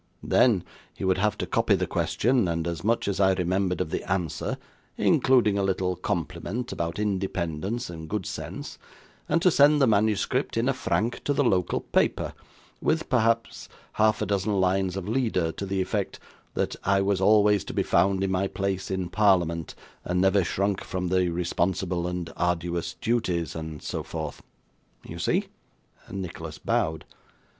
Then, he would have to copy the question, and as much as I remembered of the answer (including a little compliment about independence and good sense); and to send the manuscript in a frank to the local paper, with perhaps half a dozen lines of leader, to the effect, that I was always to be found in my place in parliament, and never shrunk from the responsible and arduous duties, and so forth. You see?' Nicholas bowed.